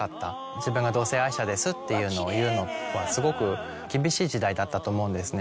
「自分は同性愛者です」っていうのを言うのはすごく厳しい時代だったと思うんですね。